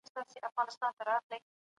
د تاریخ مطالعې ته هره ورځ وخت ورکړئ.